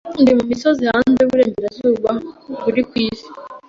Ndi mumisozi hanze yuburengerazuba kuri bisi